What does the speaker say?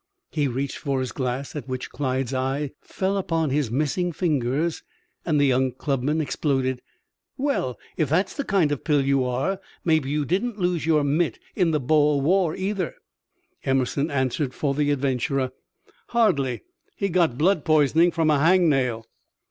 He reached for his glass, at which Clyde's eye fell upon his missing fingers, and the young clubman exploded: "Well! If that's the kind of pill you are, maybe you didn't lose your mit in the Boer War either." Emerson answered for the adventurer: "Hardly! He got blood poisoning from a hangnail."